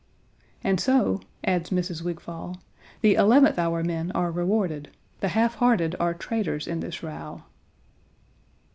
"And so," adds Mrs. Wigfall, "the eleventh hour men are rewarded; the half hearted are traitors in this row."